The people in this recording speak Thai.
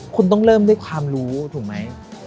คุณต้องเริ่มด้วยความรู้ถูกไหม